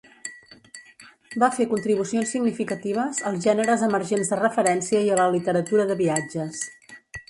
Va fer contribucions significatives als gèneres emergents de referència i a la literatura de viatges.